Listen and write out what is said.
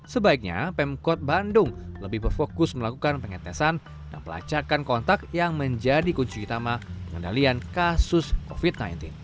sebaiknya pemkot bandung lebih berfokus melakukan pengetesan dan pelacakan kontak yang menjadi kunci utama pengendalian kasus covid sembilan belas